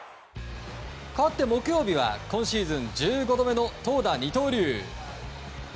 かわって木曜日は今シーズン１５度目の投打二刀流。